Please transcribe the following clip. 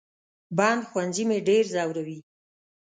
بند ښوونځي مې ډېر زوروي